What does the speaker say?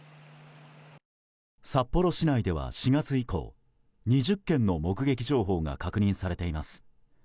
札幌市内では４月以降２０件の目撃情報が確認されています。